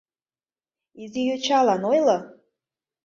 Изи йочалан ойло.